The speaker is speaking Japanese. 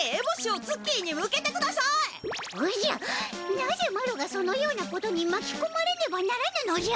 なぜマロがそのようなことにまきこまれねばならぬのじゃ！